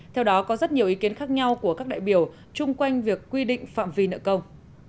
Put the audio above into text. theo đó có rất nhiều ý kiến khác nhau của các đại biểu chung quanh việc quy định phạm vi nợ công